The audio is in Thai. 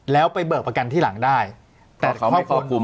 แล้วไปเบิกประกันที่หลังได้แต่เขาไม่พอคุม